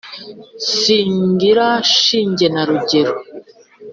singira shinge na rugero